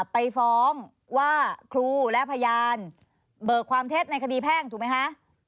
ไปฟ้องว่าครูและพยานเบิกความเท็จในคดีแพ่งถูกไหมคะ